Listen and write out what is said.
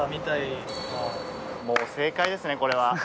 もう正解ですねこれは。